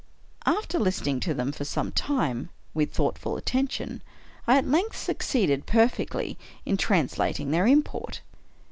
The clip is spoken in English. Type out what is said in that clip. After listen ing to them for some time, with thoughtful attention, I at length succeeded perfectly in translating their import.